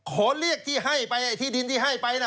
ขอเรียกที่ให้ไปไอ้ที่ดินที่ให้ไปนะ